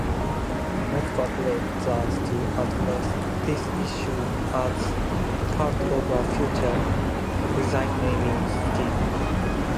Network Rail plans to address this issue as part of a future resignalling scheme.